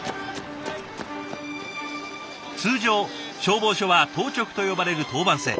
通常消防署は当直と呼ばれる当番制。